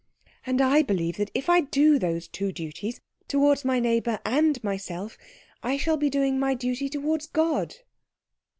" and I believe that if I do those two duties, towards my neighbour and myself, I shall be doing my duty towards God."